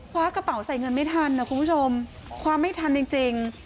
คว้ากระเป๋าใส่เงินไม่ทันนะคุณผู้ชมคว้าไม่ทันจริง